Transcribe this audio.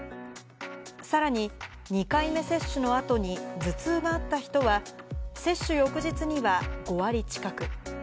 さらに、２回目接種のあとに頭痛があった人は、接種翌日には５割近く。